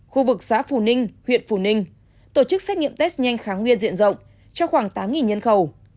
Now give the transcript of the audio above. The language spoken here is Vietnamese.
khu vực xã phù ninh huyện phù ninh tổ chức xét nghiệm test nhanh kháng nguyên diện rộng cho khoảng tám nhân khẩu